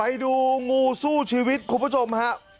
ไปดูงูสู้ชีวิตคุณผู้ชมฮะ